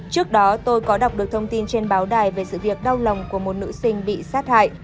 trước đó tôi có đọc được thông tin trên báo đài về sự việc đau lòng của một nữ sinh bị sát hại